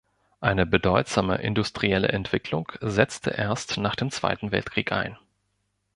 Eine bedeutsame industrielle Entwicklung setzte erst nach dem Zweiten Weltkrieg ein.